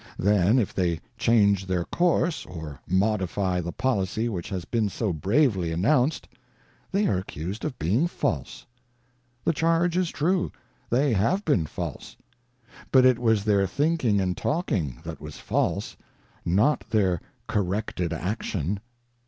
Then, if they change their course, or modify the policy which has been so bravely announced, they are accused of being false. The charge is true ; they have been false ; but it was their thinking and talking that was false, not their corrected action.